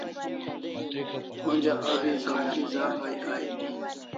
Onja abi sabzi za kay aimi